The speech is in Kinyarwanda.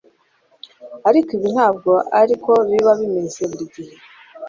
ariko ibi ntabwo ari ko biba bimeze buri gihe